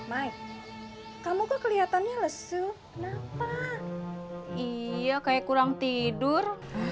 my kamu kelihatannya lesu kenapa iya kayak kurang tidur